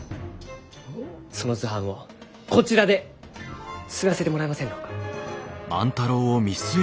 その図版をこちらで刷らせてもらえませんろうか？